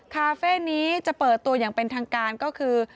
คาเฟ่นี้จะเปิดตัวอย่างเป็นทางการก็คือ